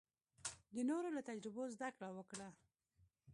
د نورو له تجربو زده کړه وکړه.